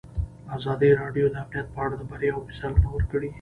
ازادي راډیو د امنیت په اړه د بریاوو مثالونه ورکړي.